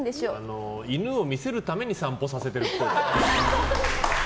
犬を見せるために散歩させてるっぽい。